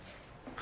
あ！